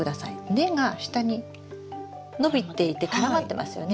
根が下に伸びていて絡まってますよね？